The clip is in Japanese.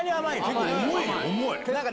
結構重いよ。